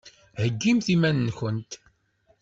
Heggimt iman-nkent.